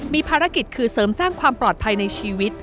มีภารกิจคือเสริมสร้างความปลอดภัยในชีวิต